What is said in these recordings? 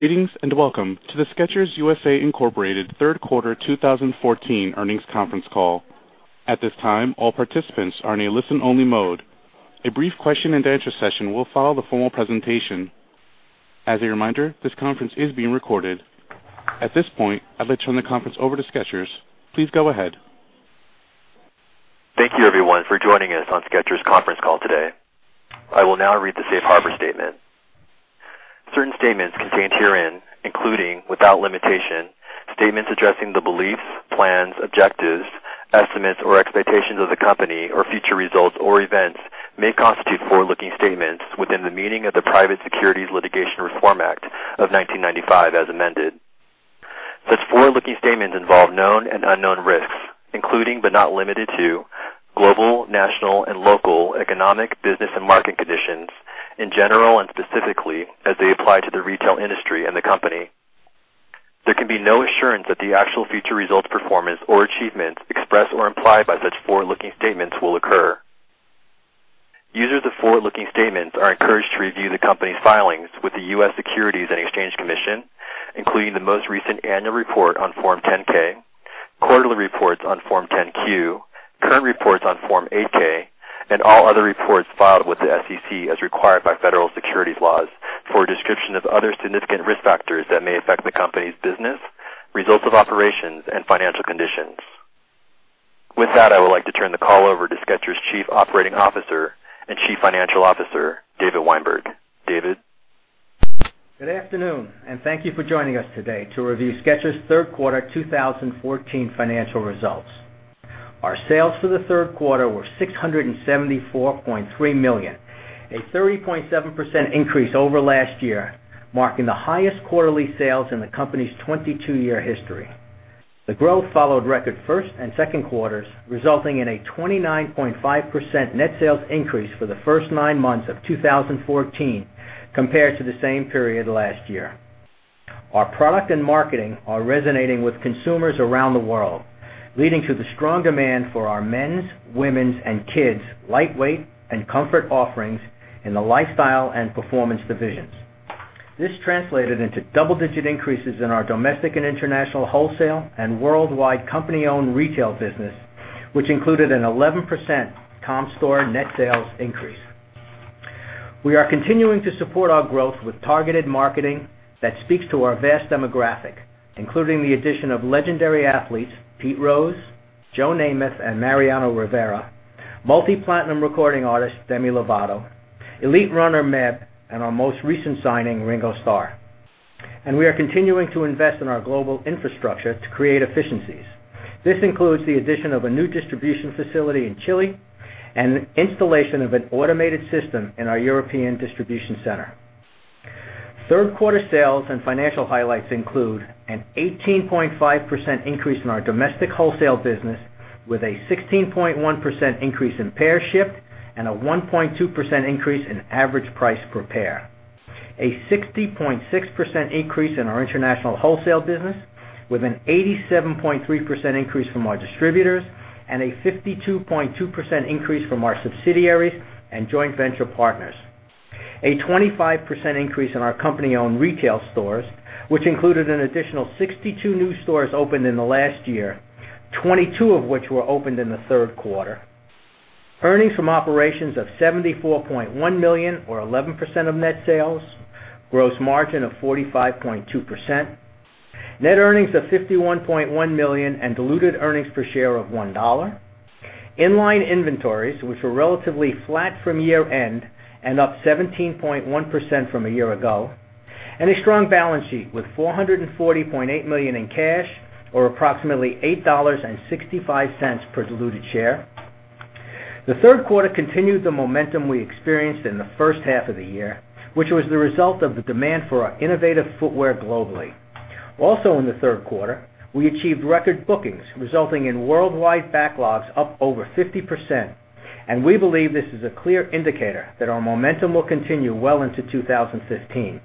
Greetings, and welcome to the Skechers U.S.A., Inc. third quarter 2014 earnings conference call. At this time, all participants are in a listen-only mode. A brief question and answer session will follow the formal presentation. As a reminder, this conference is being recorded. At this point, I'd like to turn the conference over to Skechers. Please go ahead. Thank you, everyone, for joining us on Skechers conference call today. I will now read the safe harbor statement. Certain statements contained herein, including, without limitation, statements addressing the beliefs, plans, objectives, estimates, or expectations of the company or future results or events may constitute forward-looking statements within the meaning of the Private Securities Litigation Reform Act of 1995 as amended. Such forward-looking statements involve known and unknown risks, including but not limited to global, national, and local economic, business, and market conditions in general and specifically as they apply to the retail industry and the company. There can be no assurance that the actual future results, performance, or achievements expressed or implied by such forward-looking statements will occur. Users of forward-looking statements are encouraged to review the company's filings with the U.S. Securities and Exchange Commission, including the most recent annual report on Form 10-K, quarterly reports on Form 10-Q, current reports on Form 8-K, and all other reports filed with the SEC as required by federal securities laws for a description of other significant risk factors that may affect the company's business, results of operations, and financial conditions. With that, I would like to turn the call over to Skechers Chief Operating Officer and Chief Financial Officer, David Weinberg. David? Good afternoon, and thank you for joining us today to review Skechers' third quarter 2014 financial results. Our sales for the third quarter were $674.3 million, a 30.7% increase over last year, marking the highest quarterly sales in the company's 22-year history. The growth followed record first and second quarters, resulting in a 29.5% net sales increase for the first nine months of 2014 compared to the same period last year. Our product and marketing are resonating with consumers around the world, leading to the strong demand for our men's, women's, and kids' lightweight and comfort offerings in the lifestyle and performance divisions. This translated into double-digit increases in our domestic and international wholesale and worldwide company-owned retail business, which included an 11% comp store net sales increase. We are continuing to support our growth with targeted marketing that speaks to our vast demographic, including the addition of legendary athletes Pete Rose, Joe Namath, and Mariano Rivera, multi-platinum recording artist Demi Lovato, elite runner Meb, and our most recent signing, Ringo Starr. We are continuing to invest in our global infrastructure to create efficiencies. This includes the addition of a new distribution facility in Chile and installation of an automated system in our European distribution center. Third quarter sales and financial highlights include an 18.5% increase in our domestic wholesale business, with a 16.1% increase in pair shipped and a 1.2% increase in average price per pair. A 60.6% increase in our international wholesale business, with an 87.3% increase from our distributors and a 52.2% increase from our subsidiaries and joint venture partners. A 25% increase in our company-owned retail stores, which included an additional 62 new stores opened in the last year, 22 of which were opened in the third quarter. Earnings from operations of $74.1 million or 11% of net sales. Gross margin of 45.2%. Net earnings of $51.1 million and diluted earnings per share of $1.00. In-line inventories, which were relatively flat from year-end and up 17.1% from a year ago. A strong balance sheet with $440.8 million in cash or approximately $8.65 per diluted share. The third quarter continued the momentum we experienced in the first half of the year, which was the result of the demand for our innovative footwear globally. Also in the third quarter, we achieved record bookings, resulting in worldwide backlogs up over 50%, and we believe this is a clear indicator that our momentum will continue well into 2015.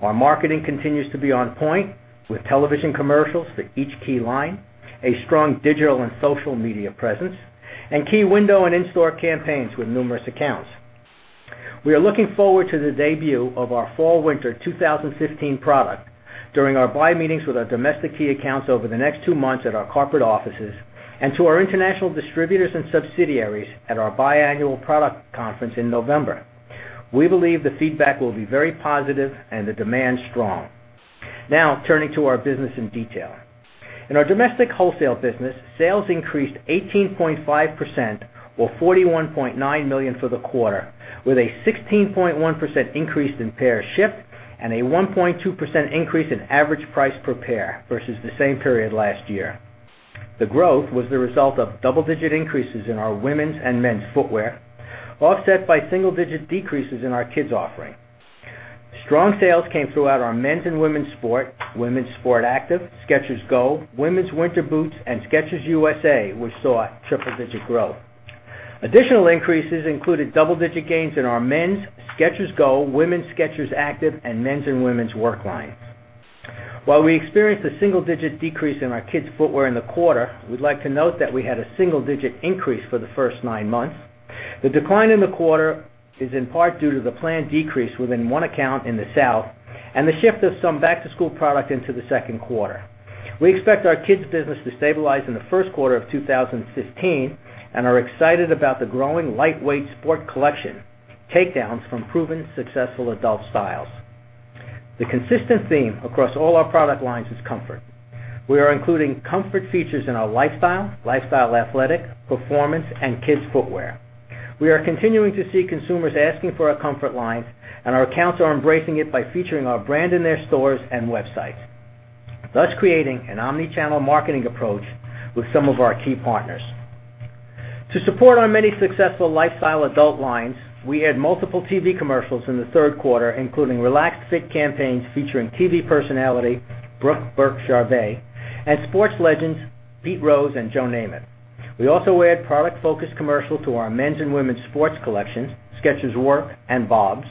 Our marketing continues to be on point with television commercials for each key line, a strong digital and social media presence, and key window and in-store campaigns with numerous accounts. We are looking forward to the debut of our fall/winter 2015 product during our buy meetings with our domestic key accounts over the next two months at our corporate offices and to our international distributors and subsidiaries at our biannual product conference in November. We believe the feedback will be very positive and the demand strong. Now turning to our business in detail. In our domestic wholesale business, sales increased 18.5% or $41.9 million for the quarter, with a 16.1% increase in pairs shipped and a 1.2% increase in average price per pair versus the same period last year. The growth was the result of double-digit increases in our women's and men's footwear, offset by single-digit decreases in our kids' offering. Strong sales came throughout our men's and women's sport, women's sport active, Skechers GO, women's winter boots, and Skechers USA, which saw triple-digit growth. Additional increases included double-digit gains in our men's Skechers GO, women's Skechers Active, and men's and women's work lines. While we experienced a single-digit decrease in our kids' footwear in the quarter, we'd like to note that we had a single-digit increase for the first nine months. The decline in the quarter is in part due to the planned decrease within one account in the South and the shift of some back-to-school product into the second quarter. We expect our kids business to stabilize in the first quarter of 2015 and are excited about the growing lightweight sport collection takedowns from proven successful adult styles. The consistent theme across all our product lines is comfort. We are including comfort features in our lifestyle athletic, performance, and kids' footwear. We are continuing to see consumers asking for our comfort lines, and our accounts are embracing it by featuring our brand in their stores and websites, thus creating an omnichannel marketing approach with some of our key partners. To support our many successful lifestyle adult lines, we had multiple TV commercials in the third quarter, including Relaxed Fit campaigns featuring TV personality Brooke Burke-Charvet and sports legends Pete Rose and Joe Namath. We also aired product-focused commercial to our men's and women's sports collections, Skechers Work and BOBS.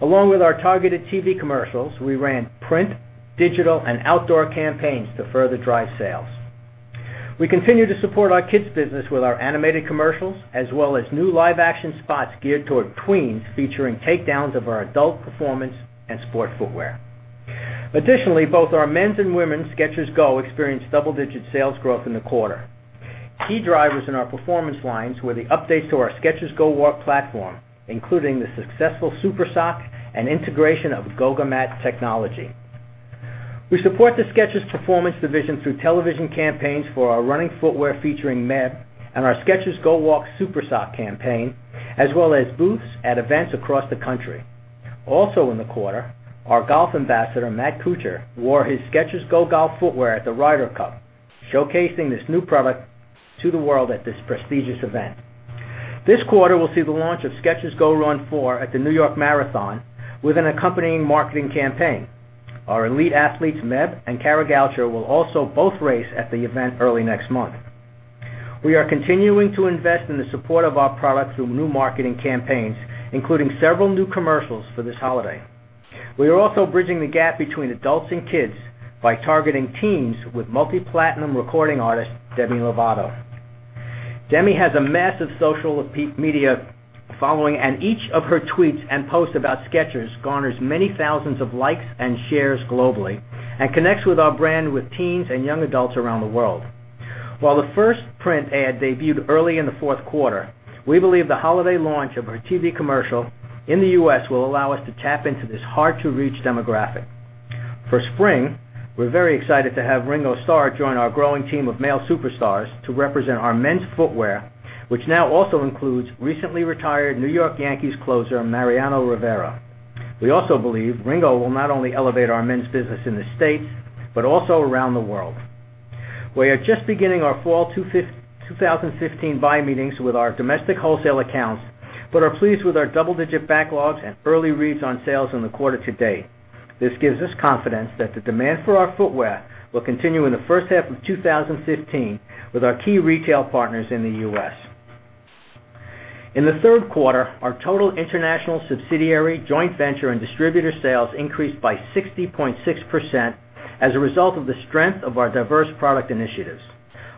Along with our targeted TV commercials, we ran print, digital, and outdoor campaigns to further drive sales. We continue to support our kids business with our animated commercials as well as new live-action spots geared toward tweens featuring takedowns of our adult performance and sport footwear. Additionally, both our men's and women's Skechers GO experienced double-digit sales growth in the quarter. Key drivers in our performance lines were the updates to our Skechers GOwalk platform, including the successful Super Sock and integration of Goga Mat technology. We support the Skechers Performance division through television campaigns for our running footwear featuring Meb and our Skechers GOwalk Super Sock campaign, as well as booths at events across the country. Also in the quarter, our golf ambassador, Matt Kuchar, wore his Skechers GO GOLF footwear at the Ryder Cup, showcasing this new product to the world at this prestigious event. This quarter will see the launch of Skechers GOrun 4 at the New York City Marathon with an accompanying marketing campaign. Our elite athletes, Meb and Kara Goucher, will also both race at the event early next month. We are continuing to invest in the support of our product through new marketing campaigns, including several new commercials for this holiday. We are also bridging the gap between adults and kids by targeting teens with multi-platinum recording artist, Demi Lovato. Demi has a massive social media following, and each of her tweets and posts about Skechers garners many thousands of likes and shares globally and connects with our brand with teens and young adults around the world. While the first print ad debuted early in the fourth quarter, we believe the holiday launch of her TV commercial in the U.S. will allow us to tap into this hard-to-reach demographic. For spring, we're very excited to have Ringo Starr join our growing team of male superstars to represent our men's footwear, which now also includes recently retired New York Yankees closer Mariano Rivera. We also believe Ringo will not only elevate our men's business in the States, but also around the world. We are just beginning our fall 2015 buy meetings with our domestic wholesale accounts, but are pleased with our double-digit backlogs and early reads on sales in the quarter to date. This gives us confidence that the demand for our footwear will continue in the first half of 2015 with our key retail partners in the U.S. In the third quarter, our total international subsidiary, joint venture, and distributor sales increased by 60.6% as a result of the strength of our diverse product initiatives.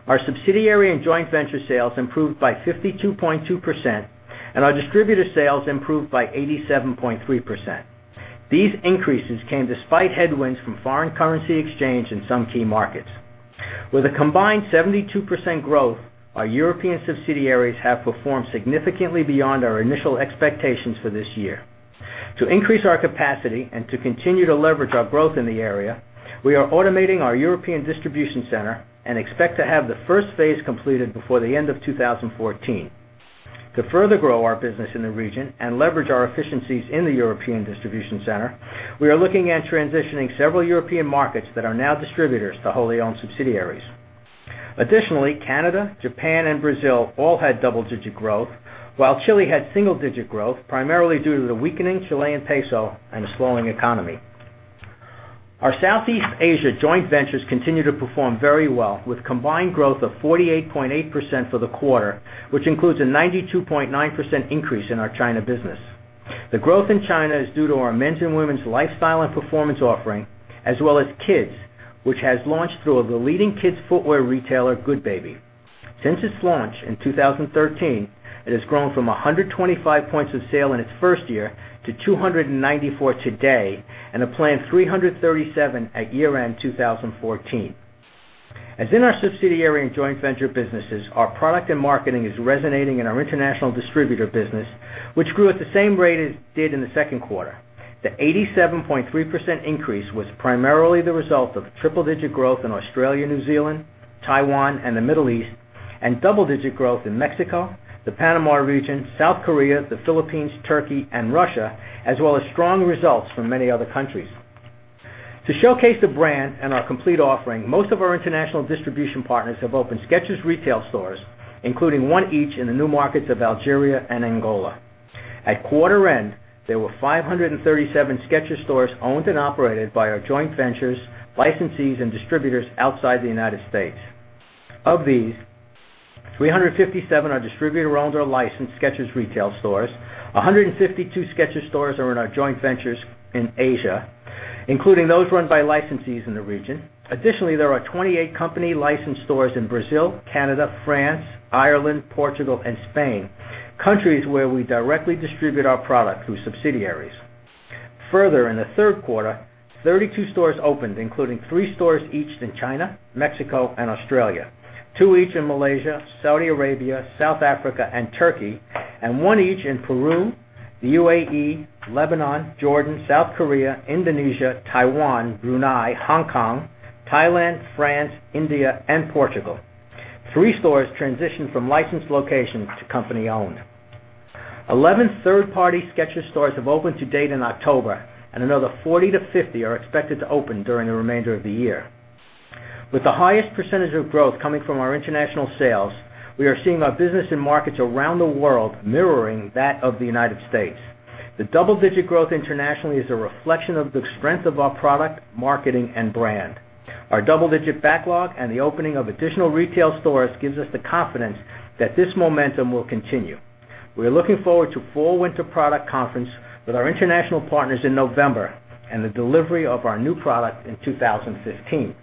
Our subsidiary and joint venture sales improved by 52.2%, and our distributor sales improved by 87.3%. These increases came despite headwinds from foreign currency exchange in some key markets. With a combined 72% growth, our European subsidiaries have performed significantly beyond our initial expectations for this year. To increase our capacity and to continue to leverage our growth in the area, we are automating our European distribution center and expect to have the first phase completed before the end of 2014. To further grow our business in the region and leverage our efficiencies in the European distribution center, we are looking at transitioning several European markets that are now distributors to wholly owned subsidiaries. Additionally, Canada, Japan, and Brazil all had double-digit growth, while Chile had single-digit growth, primarily due to the weakening Chilean peso and a slowing economy. Our Southeast Asia joint ventures continue to perform very well, with combined growth of 48.8% for the quarter, which includes a 92.9% increase in our China business. The growth in China is due to our men's and women's lifestyle and performance offering, as well as kids, which has launched through a leading kids footwear retailer, Goodbaby. Since its launch in 2013, it has grown from 125 points of sale in its first year to 294 today and a planned 337 at year-end 2014. As in our subsidiary and joint venture businesses, our product and marketing is resonating in our international distributor business, which grew at the same rate as it did in the second quarter. The 87.3% increase was primarily the result of triple-digit growth in Australia, New Zealand, Taiwan, and the Middle East, and double-digit growth in Mexico, the Panama region, South Korea, the Philippines, Turkey, and Russia, as well as strong results from many other countries. To showcase the brand and our complete offering, most of our international distribution partners have opened Skechers retail stores, including one each in the new markets of Algeria and Angola. At quarter end, there were 537 Skechers stores owned and operated by our joint ventures, licensees, and distributors outside the United States. Of these 357 are distributor-owned or licensed Skechers retail stores. 152 Skechers stores are in our joint ventures in Asia, including those run by licensees in the region. Additionally, there are 28 company licensed stores in Brazil, Canada, France, Ireland, Portugal, and Spain, countries where we directly distribute our product through subsidiaries. Further, in the third quarter, 32 stores opened, including three stores each in China, Mexico, and Australia, two each in Malaysia, Saudi Arabia, South Africa, and Turkey, and one each in Peru, the UAE, Lebanon, Jordan, South Korea, Indonesia, Taiwan, Brunei, Hong Kong, Thailand, France, India, and Portugal. Three stores transitioned from licensed locations to company-owned. 11 third-party Skechers stores have opened to date in October, and another 40 to 50 are expected to open during the remainder of the year. With the highest percentage of growth coming from our international sales, we are seeing our business in markets around the world mirroring that of the United States. The double-digit growth internationally is a reflection of the strength of our product, marketing, and brand. Our double-digit backlog and the opening of additional retail stores gives us the confidence that this momentum will continue. We're looking forward to fall/winter product conference with our international partners in November and the delivery of our new product in 2015.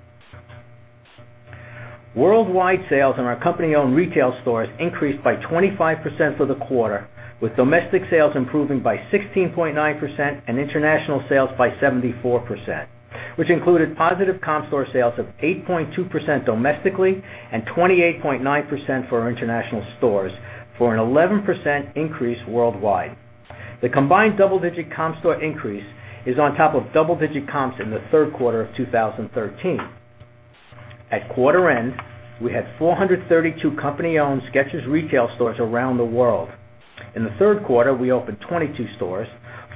Worldwide sales in our company-owned retail stores increased by 25% for the quarter, with domestic sales improving by 16.9% and international sales by 74%, which included positive comp store sales of 8.2% domestically and 28.9% for our international stores for an 11% increase worldwide. The combined double-digit comp store increase is on top of double-digit comps in the third quarter of 2013. At quarter end, we had 432 company-owned Skechers retail stores around the world. In the third quarter, we opened 22 stores,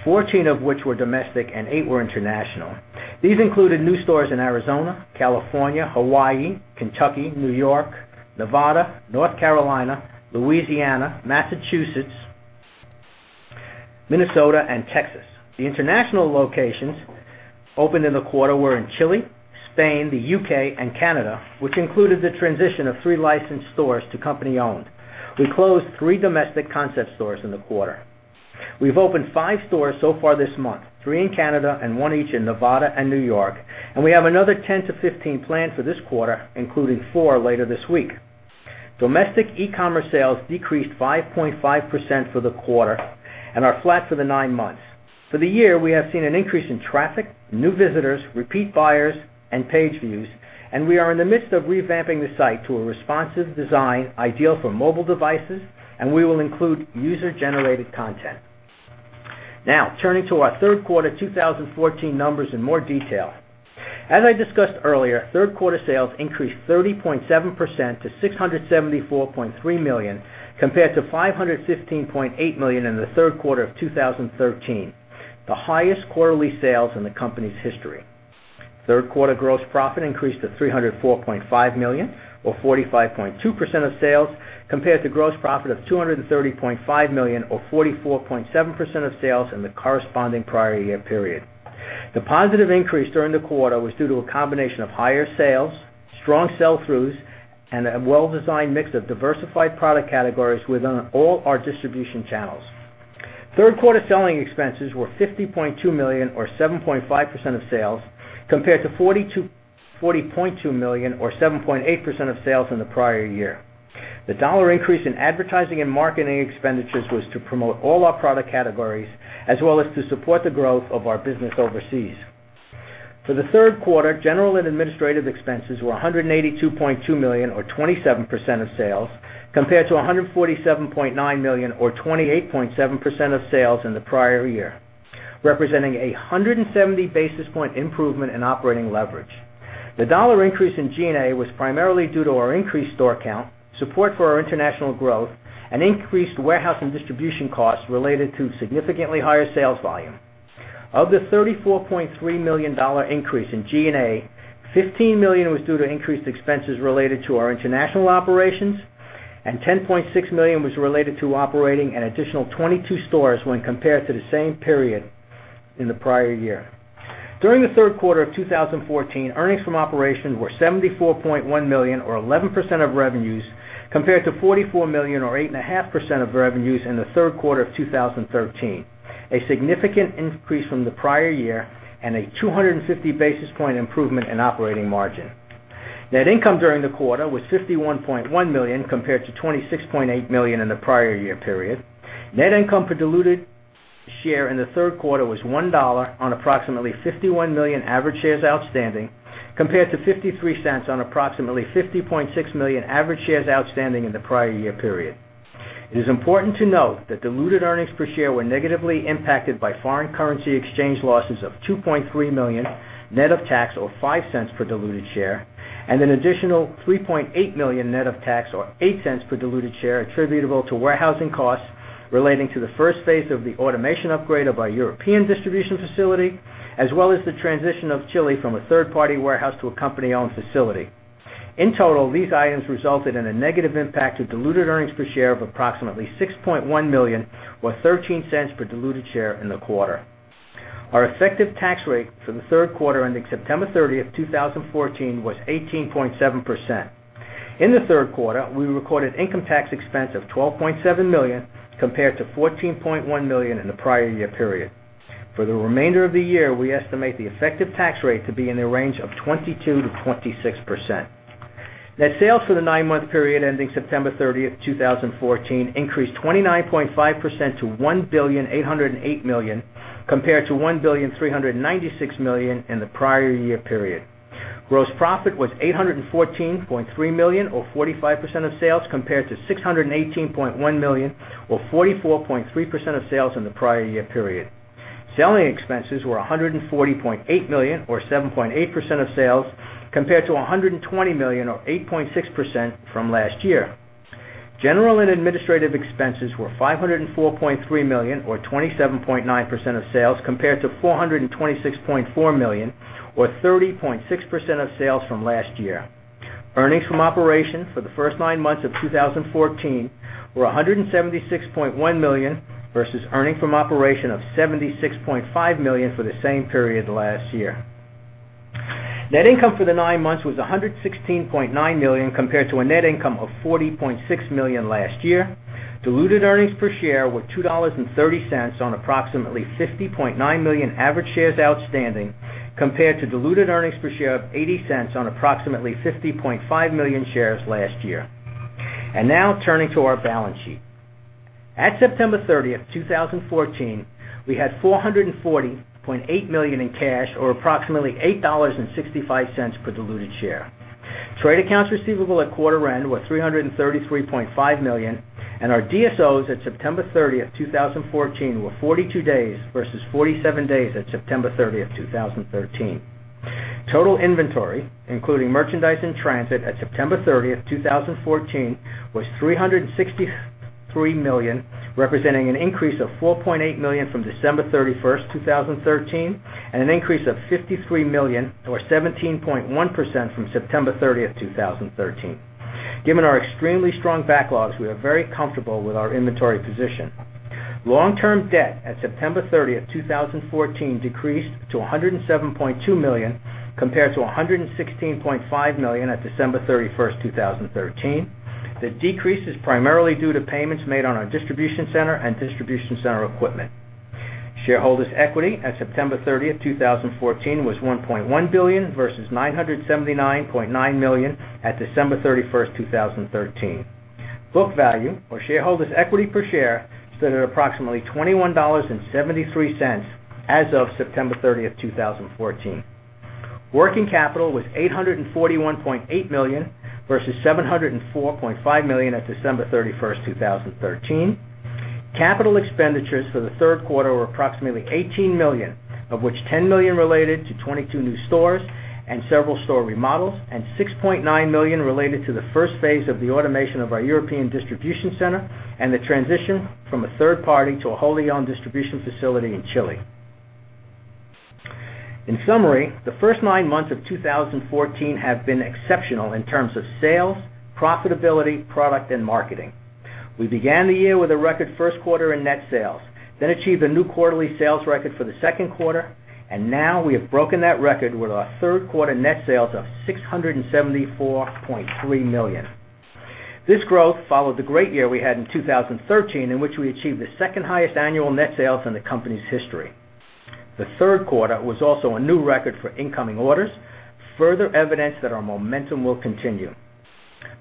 14 of which were domestic and eight were international. These included new stores in Arizona, California, Hawaii, Kentucky, New York, Nevada, North Carolina, Louisiana, Massachusetts, Minnesota, and Texas. The international locations opened in the quarter were in Chile, Spain, the U.K., and Canada, which included the transition of three licensed stores to company-owned. We closed three domestic concept stores in the quarter. We've opened five stores so far this month, three in Canada and one each in Nevada and New York, and we have another 10 to 15 planned for this quarter, including four later this week. Domestic e-commerce sales decreased 5.5% for the quarter and are flat for the nine months. For the year, we have seen an increase in traffic, new visitors, repeat buyers, and page views, and we are in the midst of revamping the site to a responsive design ideal for mobile devices, and we will include user-generated content. Now, turning to our third quarter 2014 numbers in more detail. As I discussed earlier, third-quarter sales increased 30.7% to $674.3 million, compared to $515.8 million in the third quarter of 2013, the highest quarterly sales in the company's history. Third-quarter gross profit increased to $304.5 million or 45.2% of sales compared to gross profit of $230.5 million or 44.7% of sales in the corresponding prior year period. The positive increase during the quarter was due to a combination of higher sales, strong sell-throughs, and a well-designed mix of diversified product categories within all our distribution channels. Third quarter selling expenses were $50.2 million or 7.5% of sales, compared to $40.2 million or 7.8% of sales in the prior year. The dollar increase in advertising and marketing expenditures was to promote all our product categories, as well as to support the growth of our business overseas. For the third quarter, General and Administrative expenses were $182.2 million or 27% of sales, compared to $147.9 million or 28.7% of sales in the prior year, representing a 170 basis point improvement in operating leverage. The dollar increase in G&A was primarily due to our increased store count, support for our international growth, and increased warehouse and distribution costs related to significantly higher sales volume. Of the $34.3 million increase in G&A, $15 million was due to increased expenses related to our international operations, and $10.6 million was related to operating an additional 22 stores when compared to the same period in the prior year. During the third quarter of 2014, earnings from operations were $74.1 million or 11% of revenues, compared to $44 million or 8.5% of revenues in the third quarter of 2013, a significant increase from the prior year and a 250 basis point improvement in operating margin. Net income during the quarter was $51.1 million, compared to $26.8 million in the prior year period. Net income per diluted share in the third quarter was $1 on approximately 51 million average shares outstanding, compared to $0.53 on approximately 50.6 million average shares outstanding in the prior year period. It is important to note that diluted earnings per share were negatively impacted by foreign currency exchange losses of $2.3 million, net of tax or $0.05 per diluted share, and an additional $3.8 million net of tax or $0.08 per diluted share attributable to warehousing costs relating to the first phase of the automation upgrade of our European distribution facility, as well as the transition of Chile from a third-party warehouse to a company-owned facility. In total, these items resulted in a negative impact to diluted earnings per share of approximately $6.1 million or $0.13 per diluted share in the quarter. Our effective tax rate for the third quarter ending September 30th, 2014, was 18.7%. In the third quarter, we recorded income tax expense of $12.7 million, compared to $14.1 million in the prior year period. For the remainder of the year, we estimate the effective tax rate to be in the range of 22%-26%. Net sales for the nine-month period ending September 30th, 2014, increased 29.5% to $1,808 million, compared to $1,396 million in the prior year period. Gross profit was $814.3 million, or 45% of sales, compared to $618.1 million, or 44.3% of sales in the prior year period. Selling expenses were $140.8 million or 7.8% of sales, compared to $120 million or 8.6% from last year. General and Administrative expenses were $504.3 million or 27.9% of sales, compared to $426.4 million or 30.6% of sales from last year. Earnings from operations for the first nine months of 2014 were $176.1 million versus earnings from operation of $76.5 million for the same period last year. Net income for the nine months was $116.9 million, compared to a net income of $40.6 million last year. Diluted earnings per share were $2.30 on approximately 50.9 million average shares outstanding, compared to diluted earnings per share of $0.80 on approximately 50.5 million shares last year. Now turning to our balance sheet. At September 30th, 2014, we had $440.8 million in cash, or approximately $8.65 per diluted share. Trade accounts receivable at quarter end was $333.5 million, and our DSOs at September 30th, 2014, were 42 days versus 47 days at September 30th, 2013. Total inventory, including merchandise in transit at September 30th, 2014, was $363 million, representing an increase of $4.8 million from December 31st, 2013, and an increase of $53 million or 17.1% from September 30th, 2013. Given our extremely strong backlogs, we are very comfortable with our inventory position. Long-term debt at September 30th, 2014, decreased to $107.2 million compared to $116.5 million at December 31st, 2013. The decrease is primarily due to payments made on our distribution center and distribution center equipment. Shareholders' equity at September 30th, 2014, was $1.1 billion versus $979.9 million at December 31st, 2013. Book value or shareholders' equity per share stood at approximately $21.73 as of September 30th, 2014. Working capital was $841.8 million, versus $704.5 million at December 31st, 2013. Capital expenditures for the third quarter were approximately $18 million, of which $10 million related to 22 new stores and several store remodels, and $6.9 million related to the phase 1 of the automation of our European distribution center and the transition from a third party to a wholly-owned distribution facility in Chile. In summary, the first nine months of 2014 have been exceptional in terms of sales, profitability, product, and marketing. We began the year with a record first quarter in net sales, achieved a new quarterly sales record for the second quarter, we have broken that record with our third quarter net sales of $674.3 million. This growth followed the great year we had in 2013, in which we achieved the second highest annual net sales in the company's history. The third quarter was also a new record for incoming orders, further evidence that our momentum will continue.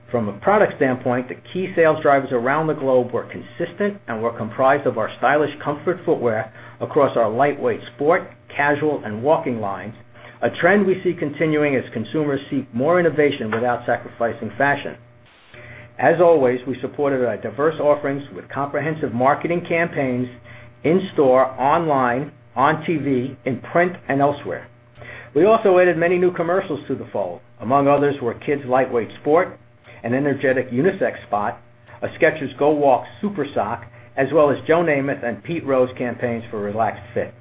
From a product standpoint, the key sales drivers around the globe were consistent and were comprised of our stylish comfort footwear across our lightweight sport, casual, and walking lines, a trend we see continuing as consumers seek more innovation without sacrificing fashion. As always, we supported our diverse offerings with comprehensive marketing campaigns in store, online, on TV, in print, and elsewhere. We also added many new commercials to the fold. Among others were kids lightweight sport, an energetic unisex spot, a Skechers GOwalk Super Sock, as well as Joe Namath and Pete Rose campaigns for Relaxed Fit.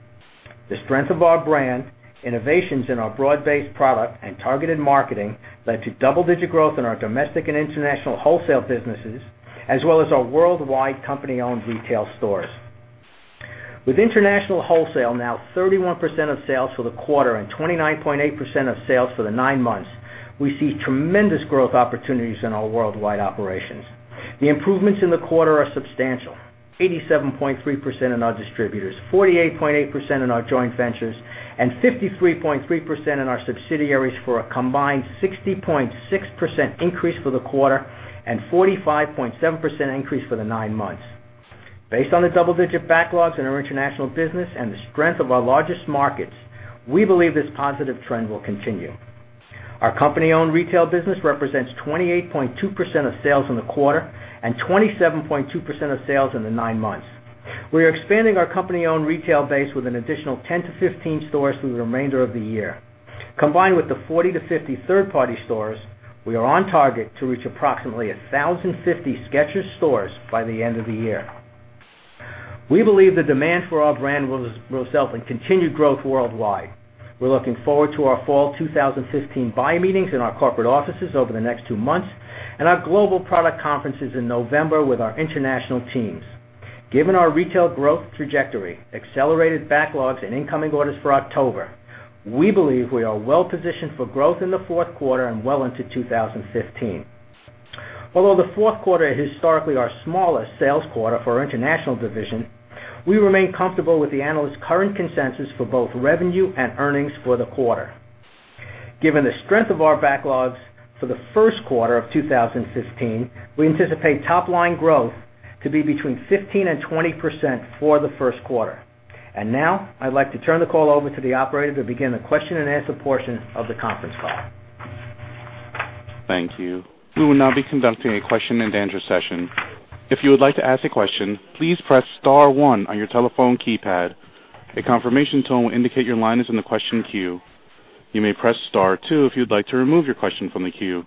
The strength of our brand, innovations in our broad-based product, and targeted marketing led to double-digit growth in our domestic and international wholesale businesses, as well as our worldwide company-owned retail stores. With international wholesale now 31% of sales for the quarter and 29.8% of sales for the nine months, we see tremendous growth opportunities in our worldwide operations. The improvements in the quarter are substantial. 87.3% in our distributors, 48.8% in our joint ventures, and 53.3% in our subsidiaries for a combined 60.6% increase for the quarter and 45.7% increase for the nine months. Based on the double-digit backlogs in our international business and the strength of our largest markets, we believe this positive trend will continue. Our company-owned retail business represents 28.2% of sales in the quarter and 27.2% of sales in the nine months. We are expanding our company-owned retail base with an additional 10-15 stores through the remainder of the year. Combined with the 40-50 third-party stores, we are on target to reach approximately 1,050 Skechers stores by the end of the year. We believe the demand for our brand will result in continued growth worldwide. We're looking forward to our fall 2015 buying meetings in our corporate offices over the next two months and our global product conferences in November with our international teams. Given our retail growth trajectory, accelerated backlogs, and incoming orders for October, we believe we are well-positioned for growth in the fourth quarter and well into 2015. Although the fourth quarter is historically our smallest sales quarter for our international division, we remain comfortable with the analyst current consensus for both revenue and earnings for the quarter. Given the strength of our backlogs for the first quarter of 2015, we anticipate top-line growth to be between 15% and 20% for the first quarter. Now I'd like to turn the call over to the operator to begin the question and answer portion of the conference call. Thank you. We will now be conducting a question and answer session. If you would like to ask a question, please press star 1 on your telephone keypad. A confirmation tone will indicate your line is in the question queue. You may press star 2 if you'd like to remove your question from the queue.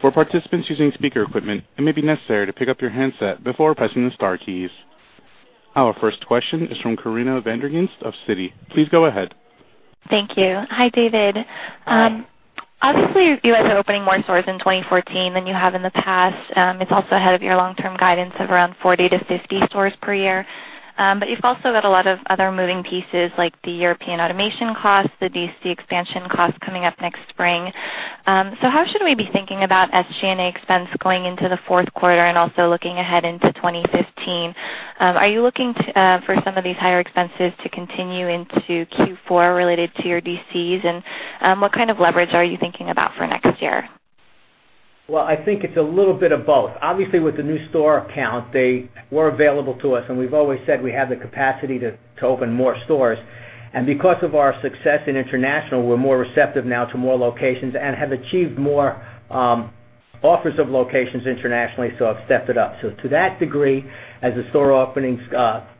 For participants using speaker equipment, it may be necessary to pick up your handset before pressing the star keys. Our first question is from Corinna van der Ghinst of Citi. Please go ahead. Thank you. Hi, David. Hi. Obviously, you guys are opening more stores in 2014 than you have in the past. It's also ahead of your long-term guidance of around 40-50 stores per year. You've also got a lot of other moving pieces like the European automation costs, the DC expansion costs coming up next spring. How should we be thinking about SG&A expense going into the fourth quarter and also looking ahead into 2015? Are you looking for some of these higher expenses to continue into Q4 related to your DCs? What kind of leverage are you thinking about for next year? I think it's a little bit of both. Obviously, with the new store count, they were available to us, and we've always said we have the capacity to open more stores. Because of our success in international, we're more receptive now to more locations and have achieved more offers of locations internationally. I've stepped it up. To that degree, as the store openings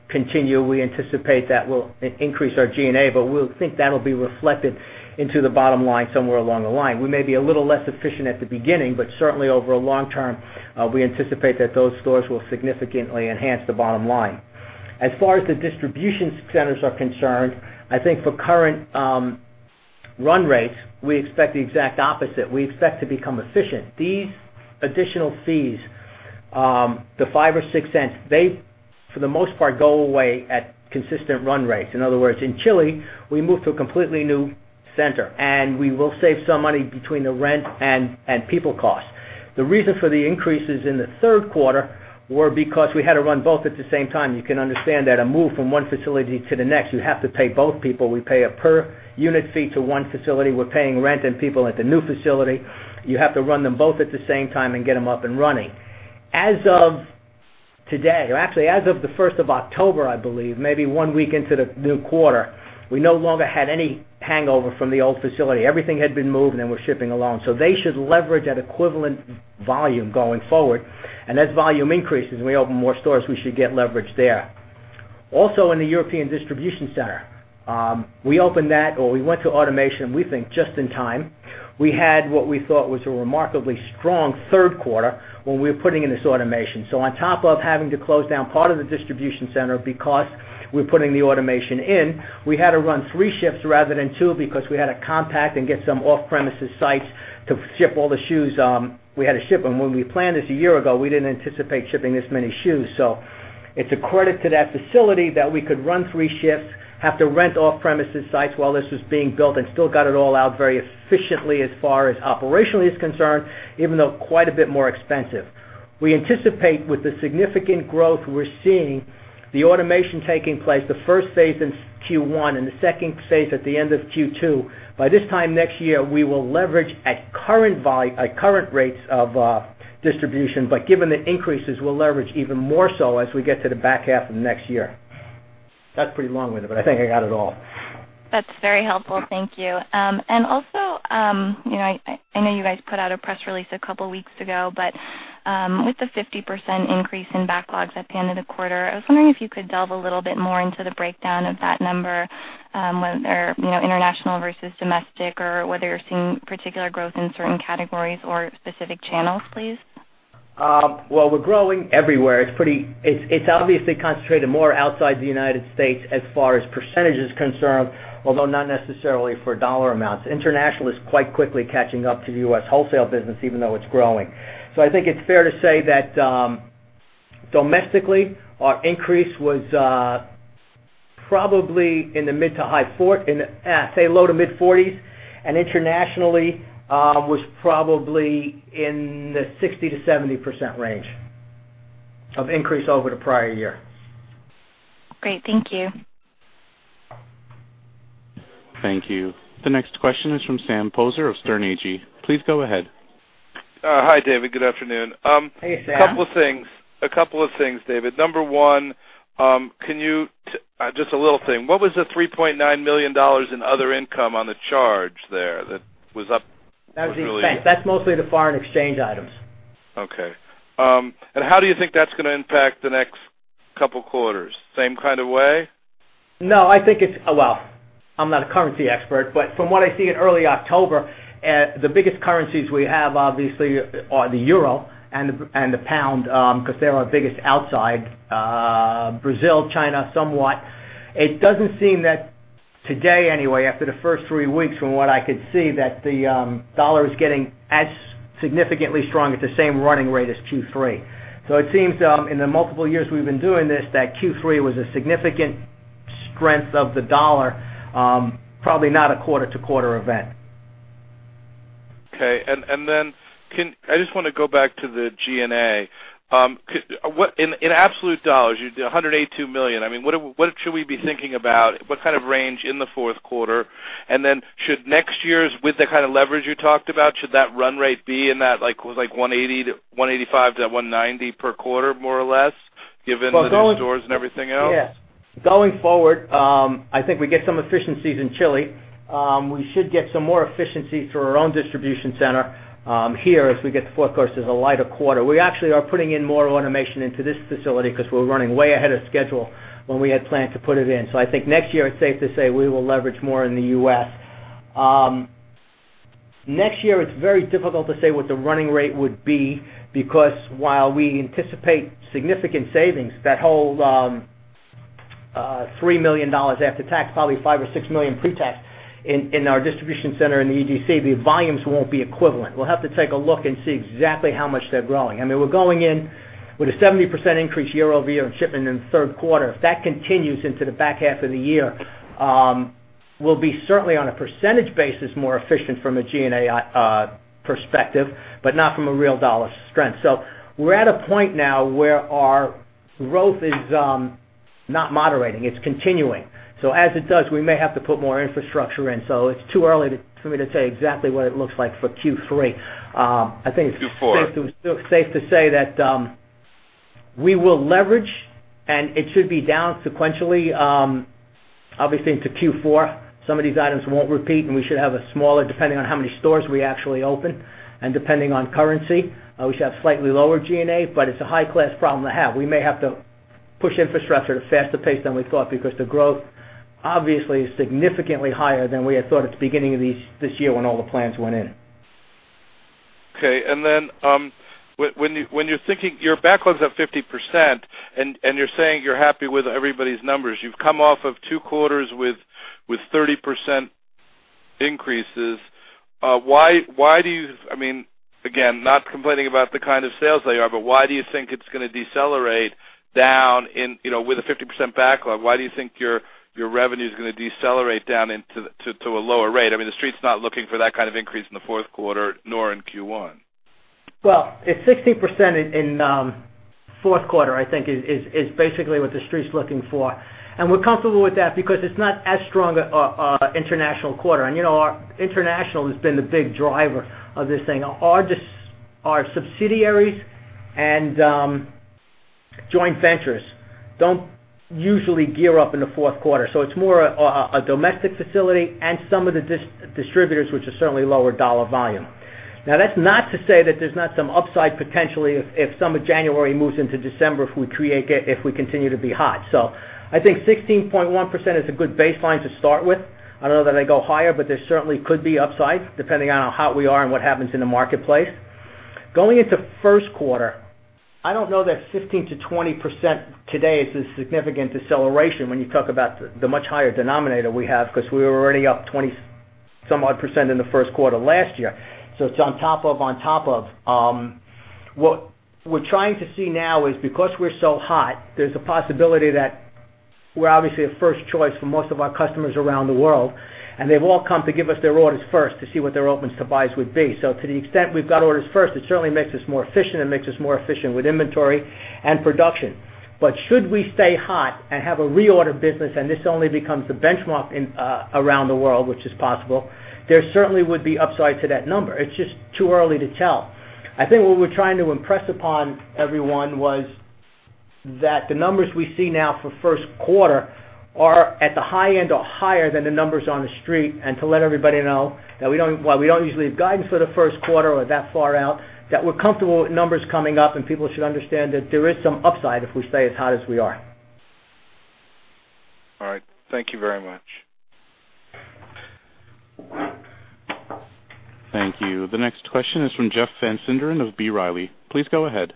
continue, we anticipate that will increase our G&A, but we think that'll be reflected into the bottom line somewhere along the line. We may be a little less efficient at the beginning, but certainly over a long term, we anticipate that those stores will significantly enhance the bottom line. As far as the distribution centers are concerned, I think for current run rates, we expect the exact opposite. We expect to become efficient. These additional fees, the $0.05 or $0.06, they, for the most part, go away at consistent run rates. In other words, in Chile, we moved to a completely new center, and we will save some money between the rent and people costs. The reason for the increases in the third quarter were because we had to run both at the same time. You can understand that a move from one facility to the next, you have to pay both people. We pay a per-unit fee to one facility. We're paying rent and people at the new facility. You have to run them both at the same time and get them up and running. As of today, or actually as of the 1st of October, I believe, maybe one week into the new quarter, we no longer had any hangover from the old facility. Everything had been moved, and we're shipping along. They should leverage at equivalent volume going forward. As volume increases and we open more stores, we should get leverage there. Also, in the European distribution center, we opened that or we went to automation, we think, just in time. We had what we thought was a remarkably strong third quarter when we were putting in this automation. On top of having to close down part of the distribution center because we're putting the automation in, we had to run three shifts rather than two because we had to compact and get some off-premises sites to ship all the shoes we had to ship. When we planned this a year ago, we didn't anticipate shipping this many shoes. It's a credit to that facility that we could run three shifts, have to rent off-premises sites while this was being built, and still got it all out very efficiently as far as operationally is concerned, even though quite a bit more expensive. We anticipate with the significant growth we're seeing, the automation taking place, the first phase in Q1 and the second phase at the end of Q2. By this time next year, we will leverage at current rates of distribution. Given the increases, we'll leverage even more so as we get to the back half of next year. That's pretty long-winded. I think I got it all. That's very helpful. Thank you. I know you guys put out a press release a couple of weeks ago, with the 50% increase in backlogs at the end of the quarter, I was wondering if you could delve a little bit more into the breakdown of that number, whether international versus domestic, or whether you're seeing particular growth in certain categories or specific channels, please. We're growing everywhere. It's obviously concentrated more outside the United States as far as percentage is concerned, although not necessarily for dollar amounts. International is quite quickly catching up to the U.S. wholesale business, even though it's growing. I think it's fair to say that domestically, our increase was probably in the low to mid-40s, and internationally, was probably in the 60%-70% range of increase over the prior year. Great. Thank you. Thank you. The next question is from Sam Poser of Sterne Agee. Please go ahead. Hi, David. Good afternoon. Hey, Sam. A couple of things, David. Number one, just a little thing. What was the $3.9 million in other income on the charge there that was up- That was the exchange. That's mostly the foreign exchange items. Okay. How do you think that's going to impact the next couple of quarters? Same kind of way? No, I think, well, I'm not a currency expert, but from what I see in early October, the biggest currencies we have obviously are the Euro and the pound, because they're our biggest outside Brazil, China, somewhat. It doesn't seem that today anyway, after the first three weeks, from what I could see, that the dollar is getting as significantly strong at the same running rate as Q3. It seems, in the multiple years we've been doing this, that Q3 was a significant strength of the dollar, probably not a quarter-to-quarter event. Okay. I just want to go back to the G&A. In absolute dollars, you did $182 million. What should we be thinking about? What kind of range in the fourth quarter, should next year's, with the kind of leverage you talked about, should that run rate be in that $185-$190 per quarter, more or less, given the new stores and everything else? Yeah. Going forward, I think we get some efficiencies in Chile. We should get some more efficiency through our own distribution center here as we get fourth quarter as a lighter quarter. We actually are putting in more automation into this facility because we're running way ahead of schedule when we had planned to put it in. I think next year, it's safe to say we will leverage more in the U.S. Next year, it's very difficult to say what the running rate would be because while we anticipate significant savings, that whole $3 million after tax, probably $5 million or $6 million pre-tax in our distribution center in the EDC, the volumes won't be equivalent. We'll have to take a look and see exactly how much they're growing. We're going in with a 70% increase year-over-year in shipping in the third quarter. If that continues into the back half of the year, we'll be certainly, on a percentage basis, more efficient from a G&A perspective, but not from a real dollar strength. We're at a point now where our growth is not moderating. It's continuing. As it does, we may have to put more infrastructure in. It's too early for me to say exactly what it looks like for Q3. Q4. I think it's safe to say that we will leverage, it should be down sequentially, obviously into Q4. Some of these items won't repeat, we should have a smaller, depending on how many stores we actually open, depending on currency. We should have slightly lower G&A, but it's a high-class problem to have. We may have to push infrastructure at a faster pace than we thought because the growth obviously is significantly higher than we had thought at the beginning of this year when all the plans went in. Okay. Then, when you're thinking your backlog's at 50%, you're saying you're happy with everybody's numbers, you've come off of two quarters with 30% increases. Again, not complaining about the kind of sales that you have, why do you think it's going to decelerate down with a 50% backlog? Why do you think your revenue is going to decelerate down to a lower rate? The Street's not looking for that kind of increase in the fourth quarter, nor in Q1. Well, it's 16% in fourth quarter, I think, is basically what the Street's looking for. We're comfortable with that because it's not as strong an international quarter. Our international has been the big driver of this thing. Our subsidiaries and joint ventures don't usually gear up in the fourth quarter. It's more a domestic facility and some of the distributors, which are certainly lower dollar volume. Now, that's not to say that there's not some upside potentially if some of January moves into December, if we continue to be hot. I think 16.1% is a good baseline to start with. I don't know that I go higher, there certainly could be upside depending on how hot we are and what happens in the marketplace. Going into first quarter, I don't know that 15%-20% today is a significant deceleration when you talk about the much higher denominator we have because we were already up 20-some odd percent in the first quarter last year. It's on top of. What we're trying to see now is because we're so hot, there's a possibility that we're obviously a first choice for most of our customers around the world, and they've all come to give us their orders first to see what their opens to buys would be. To the extent we've got orders first, it certainly makes us more efficient and makes us more efficient with inventory and production. Should we stay hot and have a reorder business, and this only becomes the benchmark around the world, which is possible, there certainly would be upside to that number. It's just too early to tell. I think what we're trying to impress upon everyone was that the numbers we see now for first quarter are at the high end or higher than the numbers on the Street, and to let everybody know that while we don't usually give guidance for the first quarter or that far out, that we're comfortable with numbers coming up and people should understand that there is some upside if we stay as hot as we are. All right. Thank you very much. Thank you. The next question is from Jeff Van Sinderen of B. Riley. Please go ahead.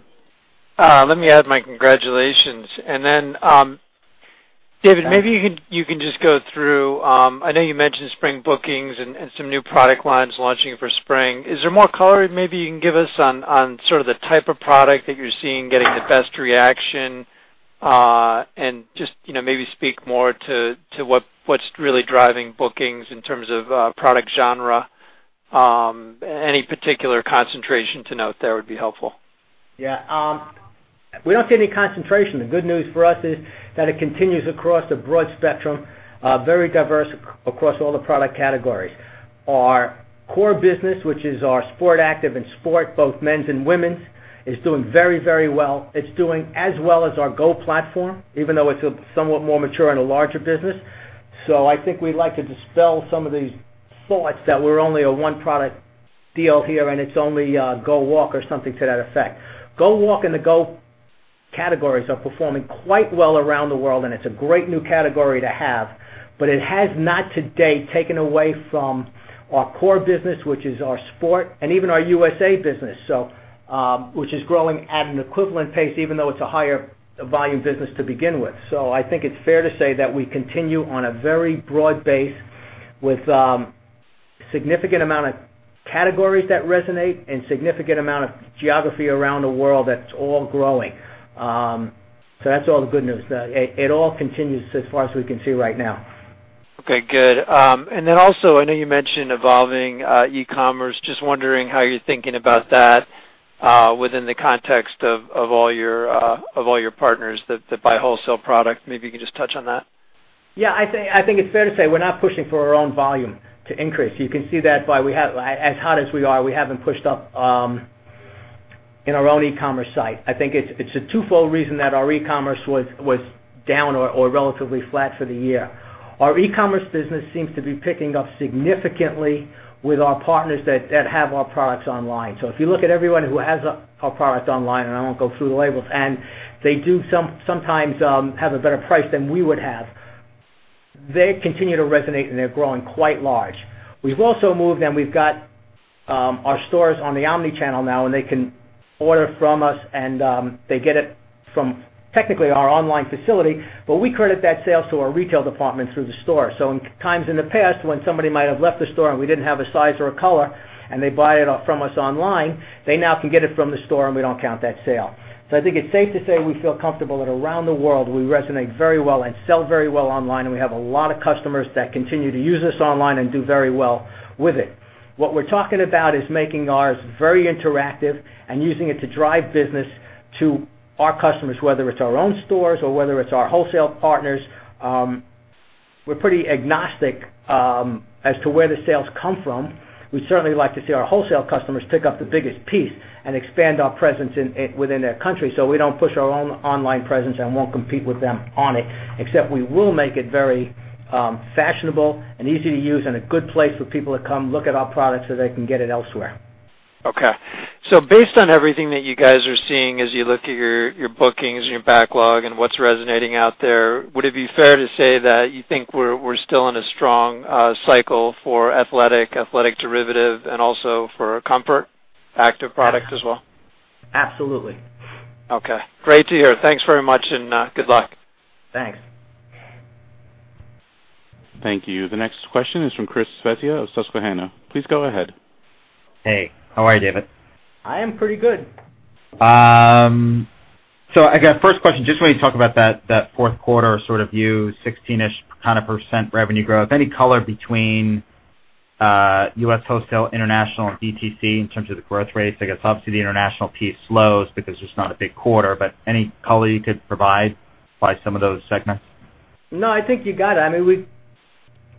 Let me add my congratulations. David, maybe you can just go through, I know you mentioned spring bookings and some new product lines launching for spring. Is there more color maybe you can give us on sort of the type of product that you're seeing getting the best reaction? Just maybe speak more to what's really driving bookings in terms of product genre. Any particular concentration to note there would be helpful. Yeah. We don't see any concentration. The good news for us is that it continues across a broad spectrum, very diverse across all the product categories. Our core business, which is our sport active and sport, both men's and women's, is doing very well. It's doing as well as our GO platform, even though it's a somewhat more mature and a larger business. I think we'd like to dispel some of these thoughts that we're only a one-product deal here and it's only GOwalk or something to that effect. GOwalk and the GO categories are performing quite well around the world and it's a great new category to have, but it has not to date taken away from our core business, which is our sport and even our USA business, which is growing at an equivalent pace, even though it's a higher volume business to begin with. I think it's fair to say that we continue on a very broad base with significant amount of categories that resonate and significant amount of geography around the world that's all growing. That's all the good news. It all continues as far as we can see right now. Okay, good. Also, I know you mentioned evolving e-commerce. Just wondering how you're thinking about that within the context of all your partners that buy wholesale product. Maybe you can just touch on that. I think it's fair to say we're not pushing for our own volume to increase. You can see that by, as hot as we are, we haven't pushed up in our own e-commerce site. I think it's a twofold reason that our e-commerce was down or relatively flat for the year. Our e-commerce business seems to be picking up significantly with our partners that have our products online. If you look at everyone who has our product online, and I won't go through the labels, they do sometimes have a better price than we would have. They continue to resonate, and they're growing quite large. We've also moved them. We've got our stores on the omnichannel now, and they can order from us and they get it from, technically, our online facility, but we credit that sale to our retail department through the store. In times in the past when somebody might have left the store and we didn't have a size or a color and they buy it from us online, they now can get it from the store and we don't count that sale. I think it's safe to say we feel comfortable that around the world, we resonate very well and sell very well online, and we have a lot of customers that continue to use us online and do very well with it. What we're talking about is making ours very interactive and using it to drive business to our customers, whether it's our own stores or whether it's our wholesale partners. We're pretty agnostic as to where the sales come from. We certainly like to see our wholesale customers pick up the biggest piece and expand our presence within their country. We don't push our own online presence and won't compete with them on it, except we will make it very fashionable and easy to use and a good place for people to come look at our product so they can get it elsewhere. Okay. Based on everything that you guys are seeing as you look at your bookings and your backlog and what's resonating out there, would it be fair to say that you think we're still in a strong cycle for athletic derivative, and also for comfort active product as well? Absolutely. Okay. Great to hear. Thanks very much. Good luck. Thanks. Thank you. The next question is from Christopher Svezia of Susquehanna. Please go ahead. Hey. How are you, David? I am pretty good. I got first question, just when you talk about that fourth quarter sort of view, 16-ish percent revenue growth. Any color between U.S. wholesale, international, and DTC in terms of the growth rates? The international piece slows because it's not a big quarter, any color you could provide by some of those segments? I think you got it. We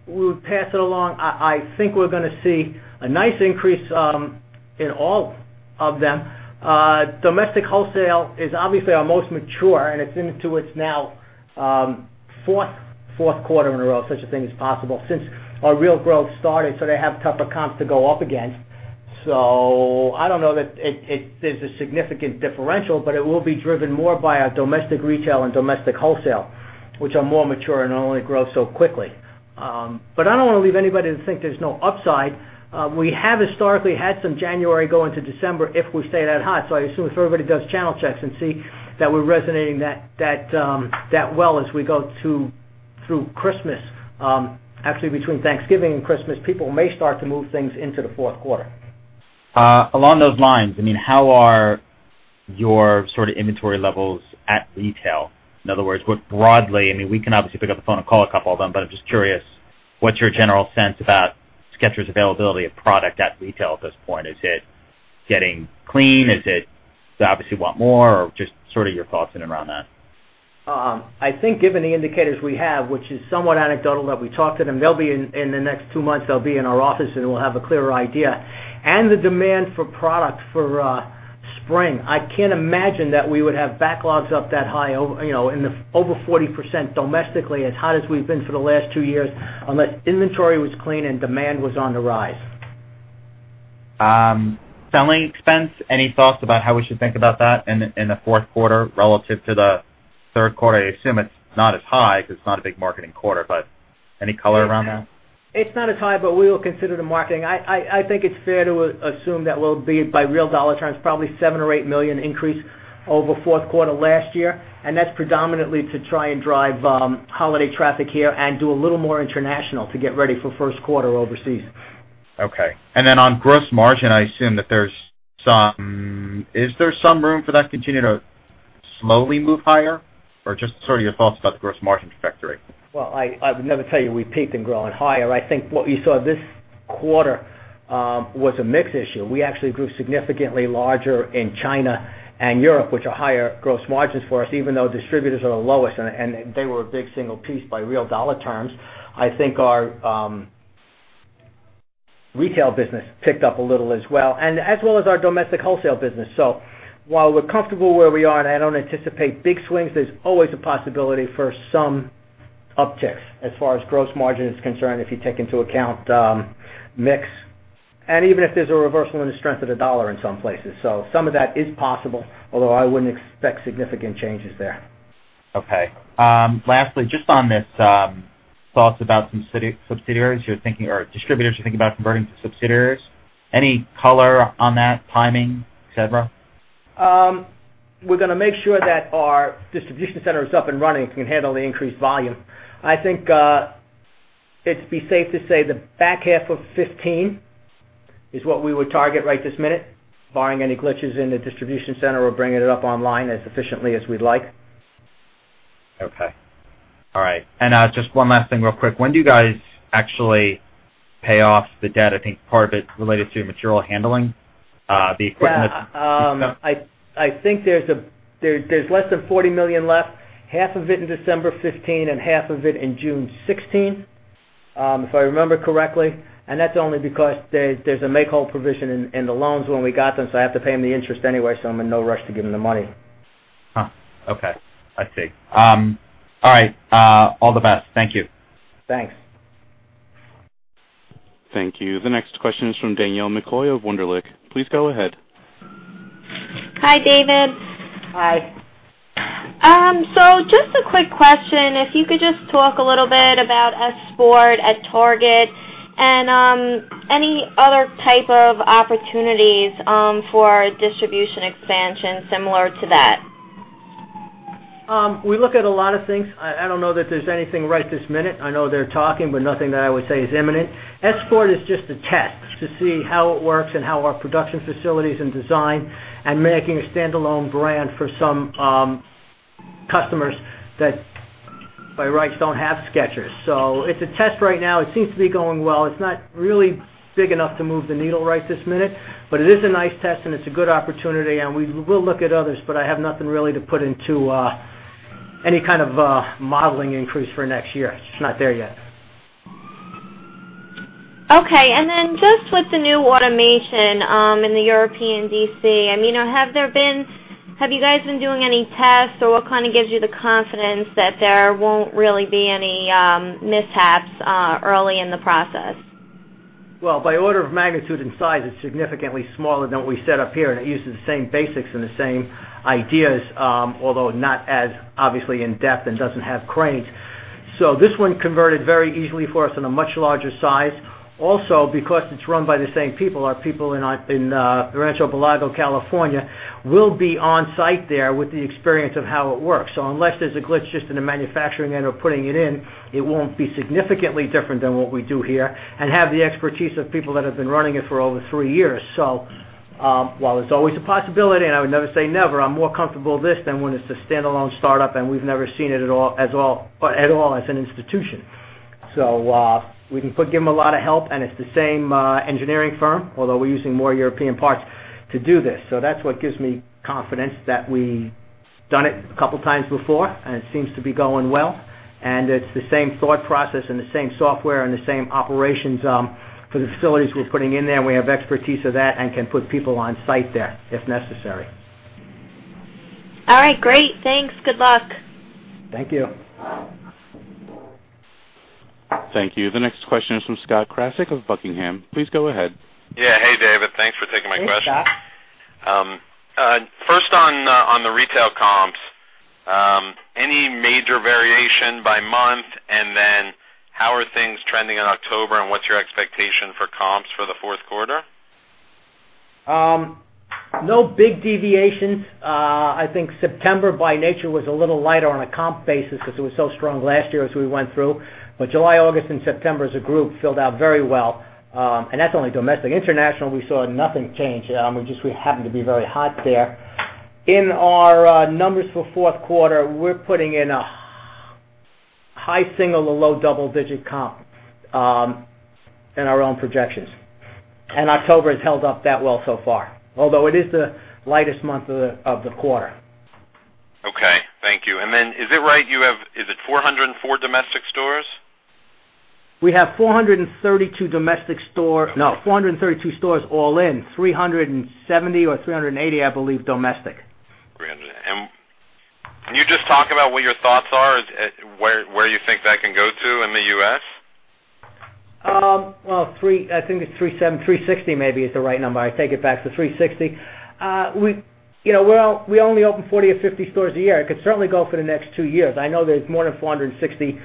would pass it along. I think we're going to see a nice increase in all of them. Domestic wholesale is obviously our most mature, and it's into its now fourth quarter in a row, such a thing as possible, since our real growth started, they have tougher comps to go up against. I don't know that there's a significant differential, it will be driven more by our domestic retail and domestic wholesale, which are more mature and only grow so quickly. I don't want to leave anybody to think there's no upside. We have historically had some January go into December if we stay that hot. I assume if everybody does channel checks and see that we're resonating that well as we go through Christmas, actually, between Thanksgiving and Christmas, people may start to move things into the fourth quarter. Along those lines, how are your sort of inventory levels at retail? In other words, broadly, we can obviously pick up the phone and call a couple of them, I'm just curious, what's your general sense about Skechers availability of product at retail at this point? Is it getting clean? Is it you obviously want more or just sort of your thoughts in and around that? I think given the indicators we have, which is somewhat anecdotal that we talked to them, in the next two months, they'll be in our office, and we'll have a clearer idea. The demand for product for spring, I can't imagine that we would have backlogs up that high, over 40% domestically as hot as we've been for the last two years, unless inventory was clean and demand was on the rise. Selling expense, any thoughts about how we should think about that in the fourth quarter relative to the third quarter? I assume it's not as high because it's not a big marketing quarter, but any color around that? It's not as high, we will consider the marketing. I think it's fair to assume that we'll be, by real dollar terms, probably $7 million or $8 million increase over fourth quarter last year, that's predominantly to try and drive holiday traffic here and do a little more international to get ready for first quarter overseas. Okay. Then on gross margin, I assume that there's some room for that to continue to slowly move higher or just sort of your thoughts about the gross margin trajectory? Well, I would never tell you we peaked and growing higher. I think what you saw this quarter was a mix issue. We actually grew significantly larger in China and Europe, which are higher gross margins for us, even though distributors are the lowest, and they were a big single piece by real dollar terms. I think our retail business picked up a little as well, as well as our domestic wholesale business. While we're comfortable where we are and I don't anticipate big swings, there's always a possibility for some upticks as far as gross margin is concerned, if you take into account mix. Even if there's a reversal in the strength of the dollar in some places. Some of that is possible, although I wouldn't expect significant changes there. Okay. Lastly, just on this thought about some subsidiaries you're thinking or distributors you're thinking about converting to subsidiaries. Any color on that timing, et cetera? We're going to make sure that our distribution center is up and running. It can handle the increased volume. I think it'd be safe to say the back half of 2015 is what we would target right this minute, barring any glitches in the distribution center or bringing it up online as efficiently as we'd like. Okay. All right. Just one last thing real quick. When do you guys actually pay off the debt? I think part of it related to your material handling, the equipment that you- Yeah. I think there's less than $40 million left, half of it in December 2015 and half of it in June 2016, if I remember correctly. That's only because there's a make-whole provision in the loans when we got them, so I have to pay them the interest anyway, so I'm in no rush to give them the money. Huh, okay. I see. All right, all the best. Thank you. Thanks. Thank you. The next question is from Danielle McCoy of Wunderlich. Please go ahead. Hi, David. Hi. Just a quick question. If you could just talk a little bit about S Sport at Target and any other type of opportunities for distribution expansion similar to that. We look at a lot of things. I don't know that there's anything right this minute. I know they're talking, but nothing that I would say is imminent. S Sport is just a test to see how it works and how our production facilities and design and making a standalone brand for some customers that, by rights, don't have Skechers. It's a test right now. It seems to be going well. It's not really big enough to move the needle right this minute, but it is a nice test, and it's a good opportunity, and we will look at others, but I have nothing really to put into any kind of modeling increase for next year. It's just not there yet. Okay. Just with the new automation in the European DC, have you guys been doing any tests, or what kind of gives you the confidence that there won't really be any mishaps early in the process? Well, by order of magnitude and size, it's significantly smaller than what we set up here, and it uses the same basics and the same ideas although not as, obviously, in-depth and doesn't have cranes. This one converted very easily for us on a much larger size. Also, because it's run by the same people, our people in Rancho Palos Verdes, California, will be on site there with the experience of how it works. Unless there's a glitch just in the manufacturing end or putting it in, it won't be significantly different than what we do here and have the expertise of people that have been running it for over three years. While it's always a possibility, and I would never say never, I'm more comfortable with this than when it's a standalone startup and we've never seen it at all as an institution. We can give them a lot of help. It's the same engineering firm, although we're using more European parts to do this. That's what gives me confidence that we've done it a couple times before. It seems to be going well. It's the same thought process and the same software and the same operations for the facilities we're putting in there. We have expertise of that and can put people on site there if necessary. All right. Great. Thanks. Good luck. Thank you. Thank you. The next question is from Scott Krasik of Buckingham. Please go ahead. Yeah. Hey, David. Thanks for taking my question. Hey, Scott. First on the retail comps, any major variation by month? How are things trending in October? What's your expectation for comps for the fourth quarter? No big deviations. I think September by nature was a little lighter on a comp basis because it was so strong last year as we went through. July, August, and September as a group filled out very well. That's only domestic. International, we saw nothing change. We just happened to be very hot there. In our numbers for fourth quarter, we're putting in a high single to low double-digit comp in our own projections, and October has held up that well so far, although it is the lightest month of the quarter. Okay. Thank you. Is it right you have, is it 404 domestic stores? We have 432 domestic store. No, 432 stores all in, 370 or 380, I believe, domestic. 300. Can you just talk about what your thoughts are, where you think that can go to in the U.S.? Well, I think it's 360 maybe is the right number. I take it back to 360. We only open 40 or 50 stores a year. It could certainly go for the next two years. I know there's more than 460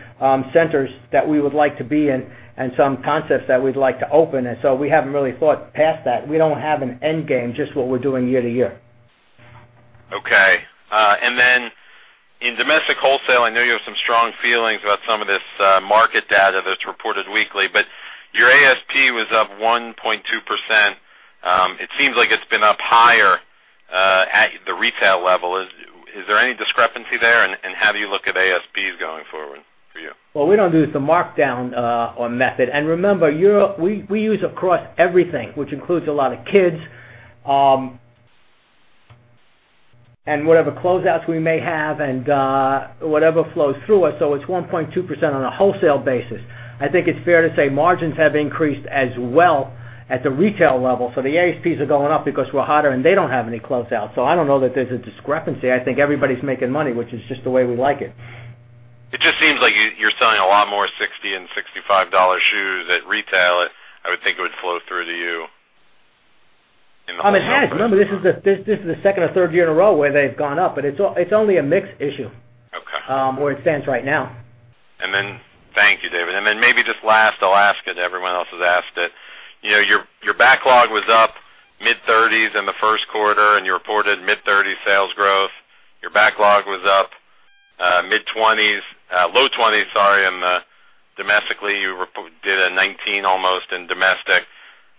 centers that we would like to be in and some concepts that we'd like to open, so we haven't really thought past that. We don't have an end game, just what we're doing year to year. Okay. In domestic wholesale, I know you have some strong feelings about some of this market data that's reported weekly, but your ASP was up 1.2%. It seems like it's been up higher at the retail level. Is there any discrepancy there, and how do you look at ASPs going forward for you? Well, we don't use the markdown or method. Remember, we use across everything, which includes a lot of kids, and whatever closeouts we may have and whatever flows through us. It's 1.2% on a wholesale basis. I think it's fair to say margins have increased as well at the retail level. The ASPs are going up because we're hotter, and they don't have any closeouts. I don't know that there's a discrepancy. I think everybody's making money, which is just the way we like it. It just seems like you're selling a lot more $60 and $65 shoes at retail. I would think it would flow through to you in the wholesale business. It has. Remember, this is the second or third year in a row where they've gone up, it's only a mix issue. Okay. Where it stands right now. Thank you, David. Maybe just last, I'll ask it. Everyone else has asked it. Your backlog was up mid-30s in the first quarter, you reported mid-30s sales growth. Your backlog was up low 20s domestically. You did a 19 almost in domestic.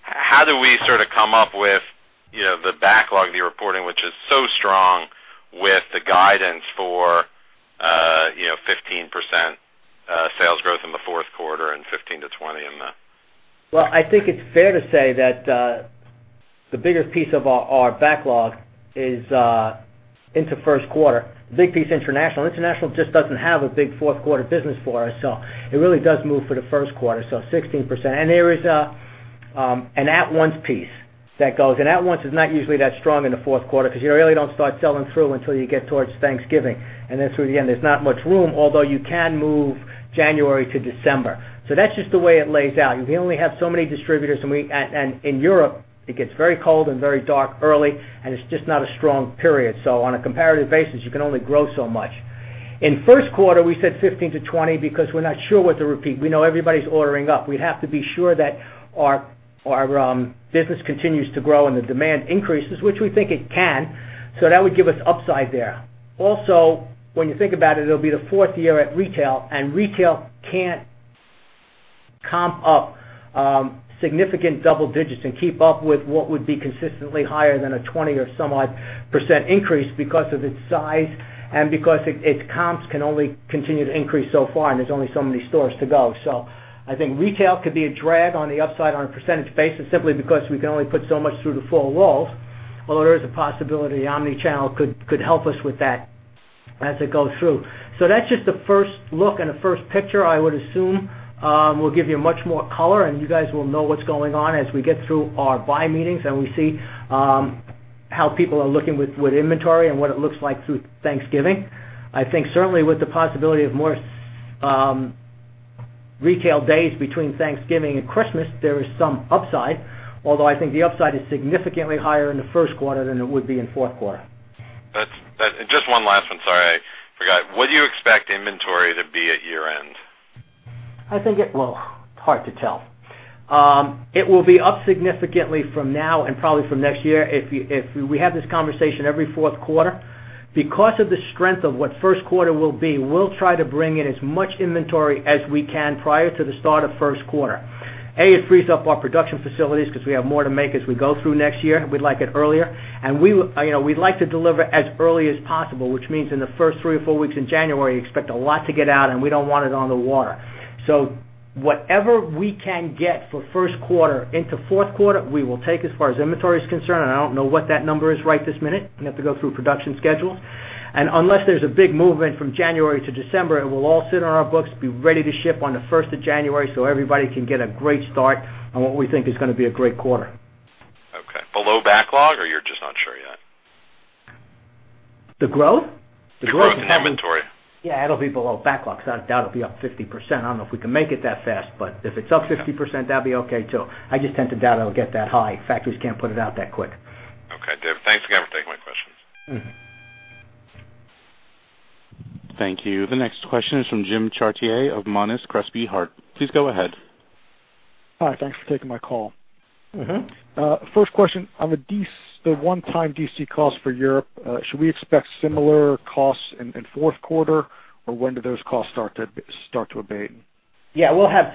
How do we sort of come up with the backlog that you're reporting, which is so strong with the guidance for 15% sales growth in the fourth quarter and 15%-20% in the- I think it's fair to say that the biggest piece of our backlog is into first quarter. Big piece international. International just doesn't have a big fourth quarter business for us. It really does move for the first quarter, 16%. There is an at-once piece that goes. An at-once is not usually that strong in the fourth quarter because you really don't start selling through until you get towards Thanksgiving, then through the end. There's not much room, although you can move January to December. That's just the way it lays out. You can only have so many distributors. In Europe, it gets very cold and very dark early, and it's just not a strong period. On a comparative basis, you can only grow so much. In first quarter, we said 15%-20% because we're not sure what to repeat. We know everybody's ordering up. We have to be sure that our business continues to grow and the demand increases, which we think it can. That would give us upside there. Also, when you think about it'll be the fourth year at retail, and retail can't comp up significant double digits and keep up with what would be consistently higher than a 20 or some odd % increase because of its size and because its comps can only continue to increase so far, and there's only so many stores to go. I think retail could be a drag on the upside on a percentage basis, simply because we can only put so much through the four walls, although there is a possibility omnichannel could help us with that as it goes through. That's just the first look and the first picture. I would assume we'll give you much more color, you guys will know what's going on as we get through our buy meetings and we see how people are looking with inventory and what it looks like through Thanksgiving. I think certainly with the possibility of more retail days between Thanksgiving and Christmas, there is some upside, although I think the upside is significantly higher in the first quarter than it would be in fourth quarter. Just one last one. Sorry, I forgot. What do you expect inventory to be at year-end? Well, it's hard to tell. It will be up significantly from now and probably from next year. If we have this conversation every fourth quarter, because of the strength of what first quarter will be, we'll try to bring in as much inventory as we can prior to the start of first quarter. A, it frees up our production facilities because we have more to make as we go through next year. We'd like it earlier. We'd like to deliver as early as possible, which means in the first three or four weeks in January, expect a lot to get out, we don't want it on the water. Whatever we can get for first quarter into fourth quarter, we will take as far as inventory is concerned, I don't know what that number is right this minute. We have to go through production schedules. Unless there's a big movement from January to December, it will all sit on our books, be ready to ship on the first of January so everybody can get a great start on what we think is going to be a great quarter. Okay. Below backlog or you're just not sure yet? The growth? The growth in inventory. Yeah, it'll be below backlog, so that'll be up 50%. I don't know if we can make it that fast, but if it's up 50%, that'd be okay, too. I just tend to doubt it'll get that high. Factories can't put it out that quick. Okay, David. Thanks again for taking my questions. Thank you. The next question is from Jim Chartier of Monness, Crespi, Hardt. Please go ahead. Hi. Thanks for taking my call. First question, on the one-time DC cost for Europe, should we expect similar costs in fourth quarter, or when do those costs start to abate? Yeah, we'll have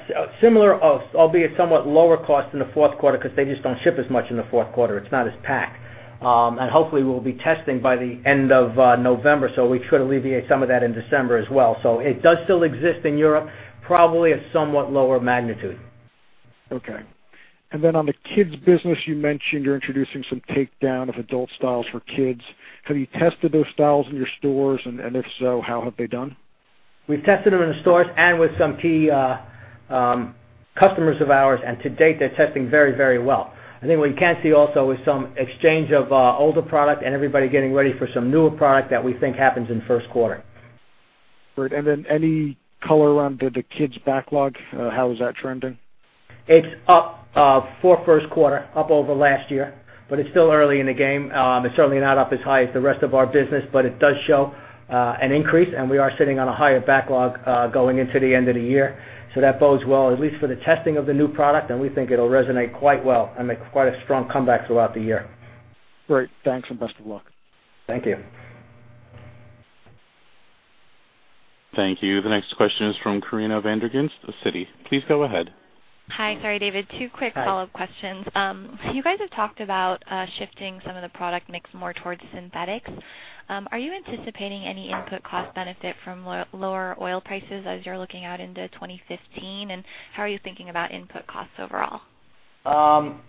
similar, albeit somewhat lower cost in the fourth quarter because they just don't ship as much in the fourth quarter. It's not as packed. Hopefully, we'll be testing by the end of November, we should alleviate some of that in December as well. It does still exist in Europe, probably at somewhat lower magnitude. Okay. Then on the kids business, you mentioned you're introducing some takedown of adult styles for kids. Have you tested those styles in your stores, and if so, how have they done? We've tested them in the stores and with some key customers of ours, and to date, they're testing very well. I think what you can see also is some exchange of older product and everybody getting ready for some newer product that we think happens in first quarter. Great. Then any color around the kids backlog? How is that trending? It's up for first quarter, up over last year, it's still early in the game. It's certainly not up as high as the rest of our business, it does show an increase, we are sitting on a higher backlog going into the end of the year. That bodes well, at least for the testing of the new product, we think it'll resonate quite well and make quite a strong comeback throughout the year. Great. Thanks, best of luck. Thank you. Thank you. The next question is from Corinna van der Ghinst, Citi. Please go ahead. Hi. Sorry, David. Two quick follow-up questions. You guys have talked about shifting some of the product mix more towards synthetics. Are you anticipating any input cost benefit from lower oil prices as you're looking out into 2015? How are you thinking about input costs overall?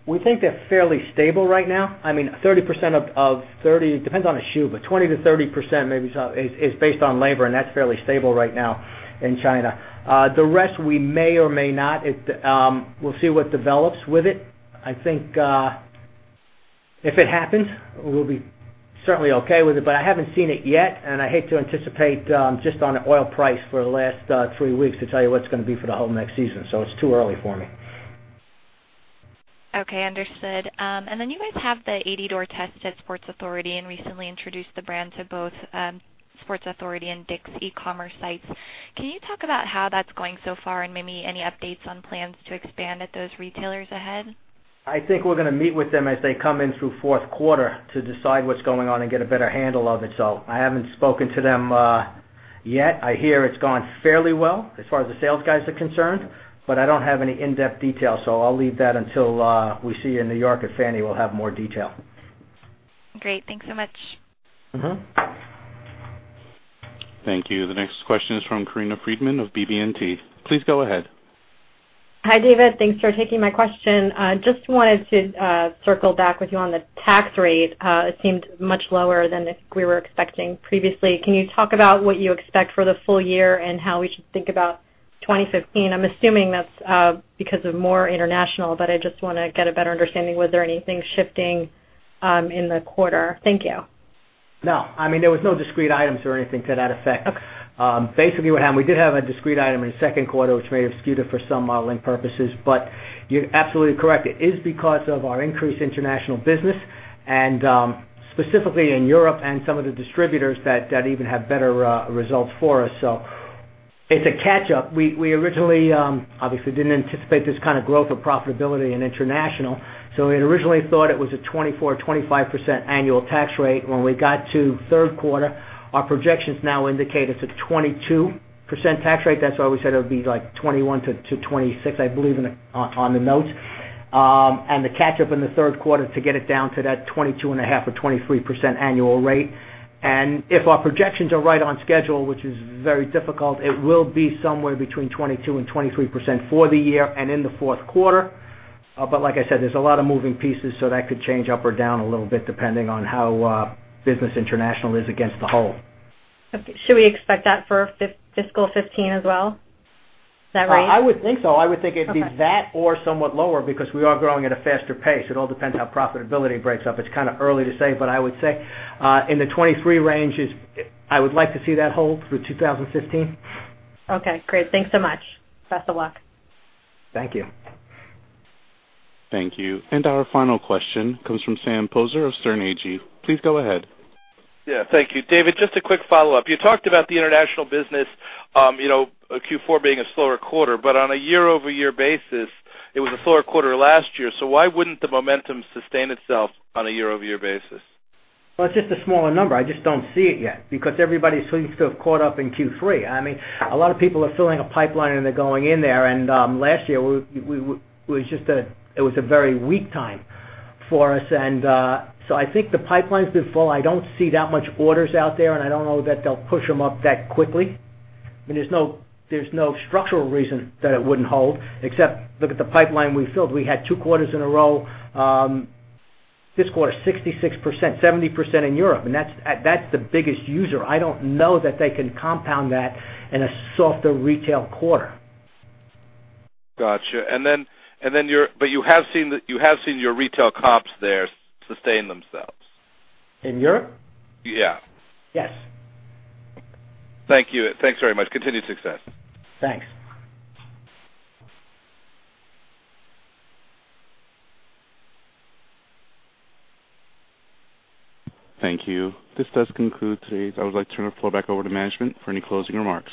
We think they're fairly stable right now. It depends on the shoe, but 20%-30% is based on labor, that's fairly stable right now in China. The rest, we may or may not. We'll see what develops with it. I think if it happens, we'll be certainly okay with it, I haven't seen it yet, I hate to anticipate just on an oil price for the last three weeks to tell you what it's going to be for the whole next season, it's too early for me. Okay, understood. You guys have the 80-door test at Sports Authority and recently introduced the brand to both Sports Authority and Dick's e-commerce sites. Can you talk about how that's going so far and maybe any updates on plans to expand at those retailers ahead? I think we're going to meet with them as they come in through fourth quarter to decide what's going on and get a better handle of it. I haven't spoken to them yet. I hear it's gone fairly well as far as the sales guys are concerned, I don't have any in-depth detail, I'll leave that until we see you in New York at FFANY. We'll have more detail. Great. Thanks so much. Thank you. The next question is from Corinna Friedman of BB&T. Please go ahead. Hi, David. Thanks for taking my question. Just wanted to circle back with you on the tax rate. It seemed much lower than we were expecting previously. Can you talk about what you expect for the full year and how we should think about 2015? I'm assuming that's because of more international, but I just want to get a better understanding. Was there anything shifting in the quarter? Thank you. No, there was no discrete items or anything to that effect. Okay. We did have a discrete item in the second quarter, which may have skewed it for some modeling purposes, but you're absolutely correct. It is because of our increased international business and specifically in Europe and some of the distributors that even have better results for us. It's a catch-up. We originally, obviously, didn't anticipate this kind of growth or profitability in international. We had originally thought it was a 24%-25% annual tax rate. When we got to third quarter, our projections now indicate it's a 22% tax rate. That's why we said it would be like 21%-26%, I believe, on the notes. The catch-up in the third quarter to get it down to that 22.5% or 23% annual rate. If our projections are right on schedule, which is very difficult, it will be somewhere between 22%-23% for the year and in the fourth quarter. Like I said, there's a lot of moving pieces, so that could change up or down a little bit depending on how business international is against the whole. Should we expect that for FY 2015 as well? Is that right? I would think so. I would think it'd be that or somewhat lower because we are growing at a faster pace. It all depends how profitability breaks up. It's kind of early to say, but I would say in the 23% range, I would like to see that hold through 2015. Okay, great. Thanks so much. Best of luck. Thank you. Thank you. Our final question comes from Sam Poser of Sterne Agee. Please go ahead. Yeah, thank you. David, just a quick follow-up. You talked about the international business, Q4 being a slower quarter. On a year-over-year basis, it was a slower quarter last year, so why wouldn't the momentum sustain itself on a year-over-year basis? Well, it's just a smaller number. I just don't see it yet because everybody seems to have caught up in Q3. A lot of people are filling a pipeline and they're going in there and last year it was a very weak time for us. I think the pipeline's been full. I don't see that much orders out there and I don't know that they'll push them up that quickly. There's no structural reason that it wouldn't hold, except look at the pipeline we filled. We had two quarters in a row. This quarter, 66%, 70% in Europe, and that's the biggest user. I don't know that they can compound that in a softer retail quarter. Got you. You have seen your retail comps there sustain themselves? In Europe? Yeah. Yes. Thank you. Thanks very much. Continued success. Thanks. Thank you. This does conclude today's. I would like to turn the floor back over to management for any closing remarks.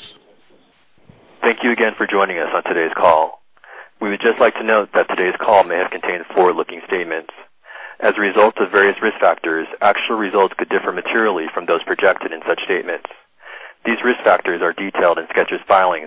Thank you again for joining us on today's call. We would just like to note that today's call may have contained forward-looking statements. As a result of various risk factors, actual results could differ materially from those projected in such statements. These risk factors are detailed in Skechers' filings